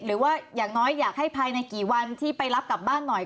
หรือว่าอย่างน้อยอยากให้ภายในกี่วันที่ไปรับกลับบ้านหน่อย